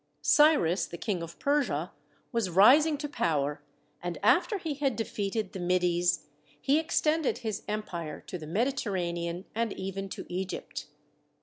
Cyrus, the King of Persia, was rising to power, and after he had defeated the Medes he extended his empire to the Mediter ranean and even to Egypt.